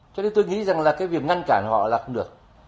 cho nên tôi nghĩ rằng là cái việc ngăn cản họ là không được